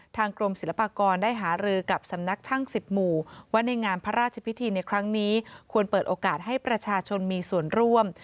กรมศิลปากรได้หารือกับสำนักช่างสิบหมู่ว่าในงานพระราชพิธีในครั้งนี้ควรเปิดโอกาสให้ประชาชนมีส่วนร่วม